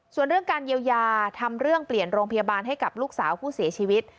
ส่วนเรื่องการเยียวยาทำเรื่องเปลี่ยนโรงพยาบาลให้กับลูกสาวผู้เสียชีวิต